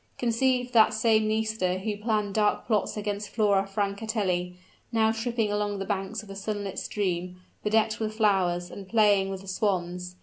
Conceive that same Nisida who planned dark plots against Flora Francatelli, now tripping along the banks of the sunlit stream, bedecked with flowers and playing with the swans.